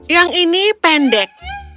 yang ini pendek